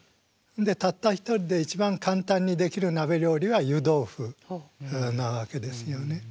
でたった一人で一番簡単にできる鍋料理は湯豆腐なわけですよね。